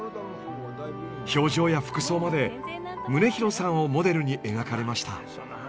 表情や服装まで宗郭さんをモデルに描かれました。